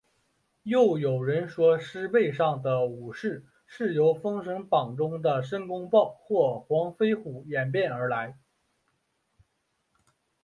又有人说是狮背上的武士是由封神榜中的申公豹或黄飞虎演变而来。